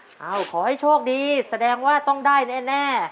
ขอให้โชคดีแสดงว่าต้องได้แน่